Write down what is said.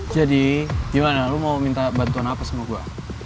jadi gimana lo mau minta bantuan apa sama gue